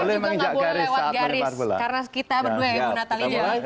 boleh juga nggak boleh lewat garis karena kita berdua yang guna tali ya